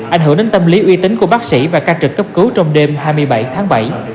ảnh hưởng đến tâm lý uy tín của bác sĩ và ca trực cấp cứu trong đêm hai mươi bảy tháng bảy